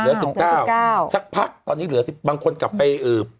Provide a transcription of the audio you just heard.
เหลือ๑๙สักพักตอนนี้เหลือ๑๐บางคนกลับไป